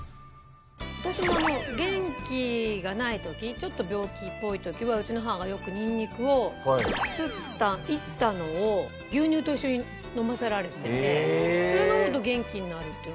私も元気がない時ちょっと病気っぽい時はうちの母がよくニンニクをすった煎ったのを牛乳と一緒に飲ませられていてそれ飲むと元気になるっていう。